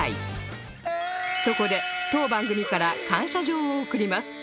そこで当番組から感謝状を贈ります